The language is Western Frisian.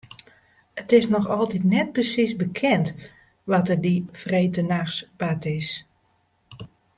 It is noch altyd net persiis bekend wat der dy freedtenachts bard is.